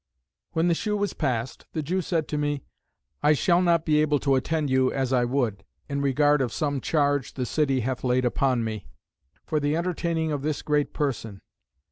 When the shew was past, the Jew said to me; "I shall not be able to attend you as I would, in regard of some charge the city hath laid upon me, for the entertaining of this great person."